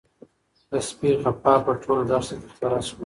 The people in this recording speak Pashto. د سپي غپا په ټوله دښته کې خپره شوه.